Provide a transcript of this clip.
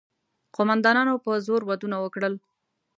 قوماندانانو په زور ودونه وکړل.